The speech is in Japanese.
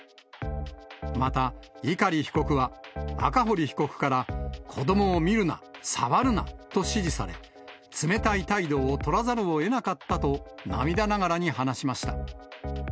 また、碇被告は赤堀被告から子どもを見るな、触るなと指示され、冷たい態度を取らざるをえなかったと、涙ながらに話しました。